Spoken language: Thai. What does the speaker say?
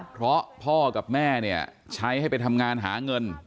เพราะพ่อกับแม่เนี่ยใช้ให้ไปทำงานหาเงิน